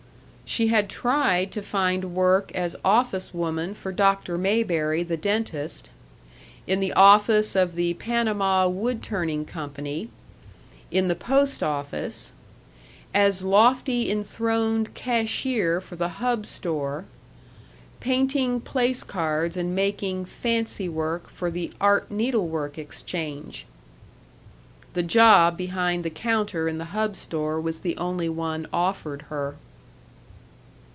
She had tried to find work as office woman for Dr. Mayberry, the dentist; in the office of the Panama Wood Turning Company; in the post office; as lofty enthroned cashier for the Hub Store; painting place cards and making "fancy work" for the Art Needlework Exchange. The job behind the counter in the Hub Store was the only one offered her.